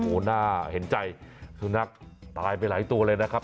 โอ้โหน่าเห็นใจสุนัขตายไปหลายตัวเลยนะครับ